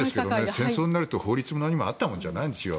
戦争になると法律もあったもんじゃないんですよ。